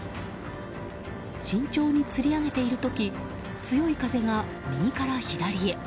慎重につり上げている時強い風が右から左へ。